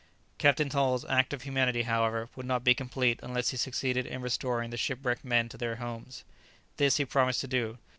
Captain Hull's act of humanity, however, would not be complete unless he succeeded in restoring the shipwrecked men to their homes. This he promised to do.